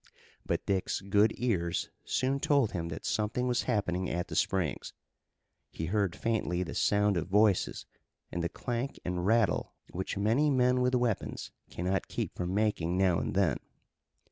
But Dick's good ears soon told him that something was happening at the springs. He heard faintly the sound of voices, and the clank and rattle which many men with weapons cannot keep from making now and then.